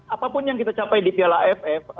apapun yang kita capai di piala aff